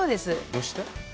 どうして？